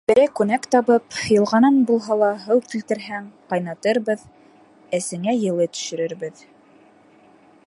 Берәй күнәк табып, йылғанан булһа ла һыу килтерһәң, ҡайнатырбыҙ, әсеңә йылы төшөрөрбөҙ...